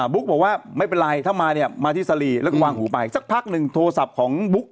ุ๊กบอกว่าไม่เป็นไรถ้ามาเนี่ยมาที่สลีแล้วก็วางหูไปสักพักหนึ่งโทรศัพท์ของบุ๊ก